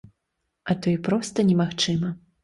А то і проста немагчыма.